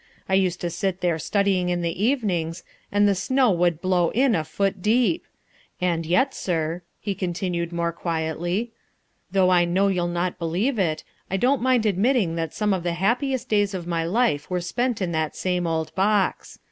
I used to sit there studying in the evenings, and the snow would blow in a foot deep. And yet, sir," he continued more quietly, "though I know you'll not believe it, I don't mind admitting that some of the happiest days of my life were spent in that same old box.